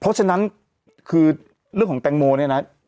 เพราะฉะนั้นคือเรื่องของแตงโมเนี่ยนะ